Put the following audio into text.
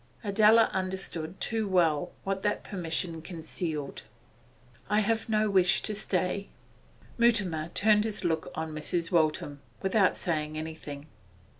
Adela understood too well what that permission concealed. 'I have no wish to stay.' Mutimer turned his look on Mrs. Waltham, without saying anything.